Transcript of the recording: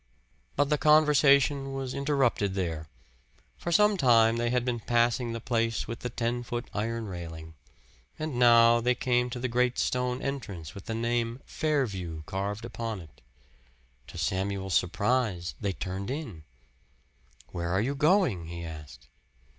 But the conversation was interrupted there. For some time they had been passing the place with the ten foot iron railing; and now they came to the great stone entrance with the name "Fairview" carved upon it. To Samuel's surprise they turned in. "Where are you going?" he asked.